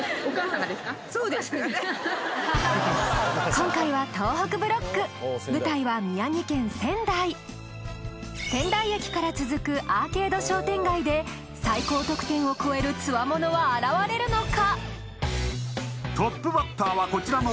今回は東北ブロック舞台は宮城県仙台仙台駅から続くアーケード商店街で最高得点を超えるつわものは現れるのか？